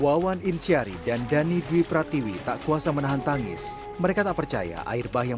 wawan insyari dan dhani dwi pratwi tak kuasa menahan tangis mereka tak percaya air bahayang